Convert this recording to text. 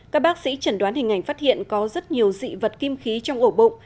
các bác sĩ chẩn đoán hình ảnh phát hiện có rất nhiều dị vật kim khí trong ổ bụng